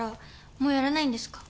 もうやらないんですか？